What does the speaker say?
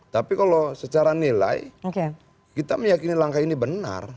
tapi kalau secara nilai kita meyakini langkah ini benar